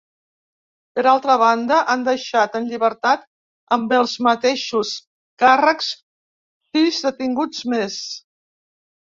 Per altra banda, han deixat en llibertat amb els mateixos càrrecs sis detinguts més.